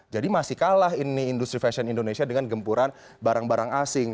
jadi masih kalah ini industri fashion indonesia dengan gempuran barang barang asing